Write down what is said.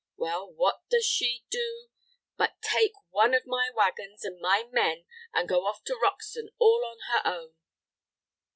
Well, what does she do but take one of my wagons and my men and go off to Roxton all on her own."